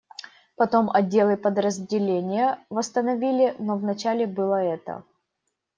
Потом отделы и подразделения восстановили, но вначале было это.